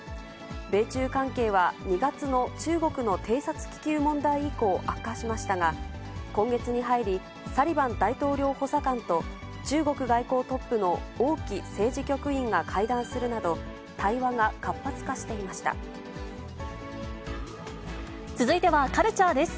米中関係は、２月の中国の偵察気球問題以降、悪化しましたが、今月に入り、サリバン大統領補佐官と中国外交トップの王毅政治局員が会談するなど、続いてはカルチャーです。